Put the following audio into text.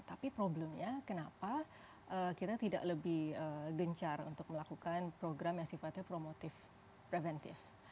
tapi problemnya kenapa kita tidak lebih gencar untuk melakukan program yang sifatnya promotif preventif